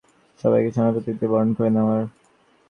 এটা আসলেই সম্মানের, তাদের সবাইকে স্বর্ণপদক দিয়ে বরণ করে নেওয়ার।